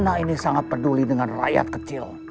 karena ini sangat peduli dengan rakyat kecil